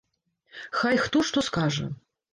Хай хто што скажа.